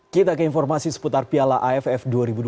kita ke informasi seputar piala aff dua ribu dua puluh